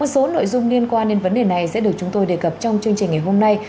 một số nội dung liên quan đến vấn đề này sẽ được chúng tôi đề cập trong chương trình ngày hôm nay